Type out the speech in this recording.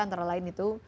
antara lain itu